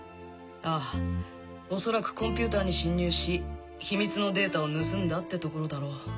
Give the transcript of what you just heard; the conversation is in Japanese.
ああ恐らくコンピューターに侵入し秘密のデータを盗んだってところだろう。